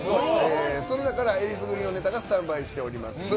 その中からえりすぐりのネタがスタンバイしています。